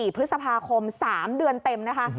๔พฤษภาคม๓เดือนเต็มนะคะ